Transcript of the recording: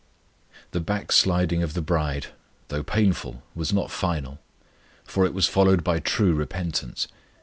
The backsliding of the bride, though painful, was not final; for it was followed by true repentance.